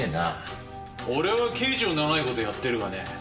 俺は刑事を長いことやってるがね